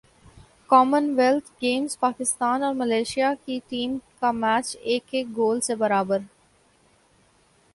common wealth games Pakistan اور Malaysia hockey team کا match ایک ایک گول سے برابر